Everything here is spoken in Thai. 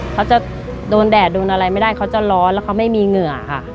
เขาจะโดนแดดโดนอะไรไม่ได้เขาจะร้อนแล้วเขาไม่มีเหงื่อค่ะ